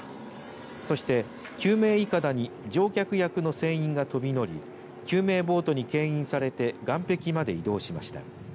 そして救命いかだに乗客役の船員が飛び乗り救命ボートにけん引されて岸壁まで移動しました。